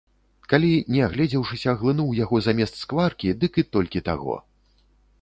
Калі, не агледзеўшыся, глынуў яго замест скваркі, дык і толькі таго.